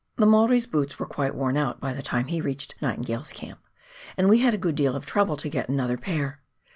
The Maori's boots were quite worn out by the time he reached Nightingale's camp, and we had a good deal of trouble to get another pair.